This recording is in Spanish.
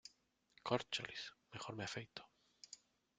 Córcholis, mejor me afeito.